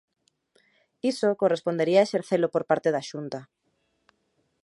Iso correspondería exercelo por parte da Xunta.